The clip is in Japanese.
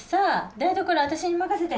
台所は私に任せて！